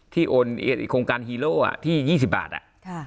ที่โอนโครงการฮีโร่อ่ะที่ยี่สิบบาทอ่ะค่ะ